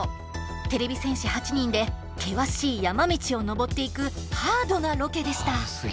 てれび戦士８人で険しい山道を登っていくハードなロケでした。